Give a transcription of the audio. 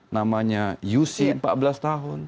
namanya uc empat belas tahun